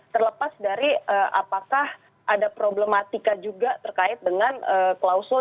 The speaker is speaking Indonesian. terlepas dari apakah ada problematika juga terkait dengan klausul